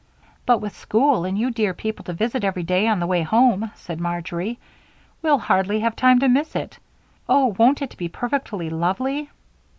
"But with school, and you dear people to visit every day on the way home," said Marjory, "we'll hardly have time to miss it. Oh! won't it be perfectly lovely?"